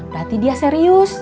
berarti dia serius